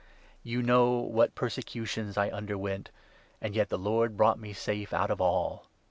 You know what persecutions I underwent ; and yet the Lord brought .me safe out of all